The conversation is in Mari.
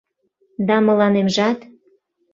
Да мыланемжат.